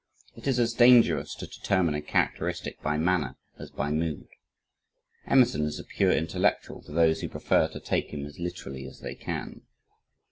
It is as dangerous to determine a characteristic by manner as by mood. Emerson is a pure intellectual to those who prefer to take him as literally as they can.